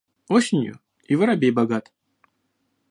Осенью и воробей богат.